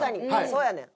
そうやねん。